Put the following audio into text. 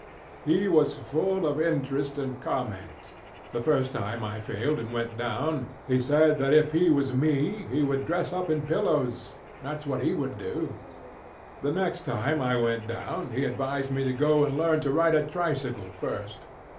He was full of interest and comment. The first time I failed and went down he said that if he was me he would dress up in pillows, thatŌĆÖs what he would do. The next time I went down he advised me to go and learn to ride a tricycle first.